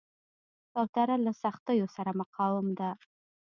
کوتره له سختیو سره مقاوم ده.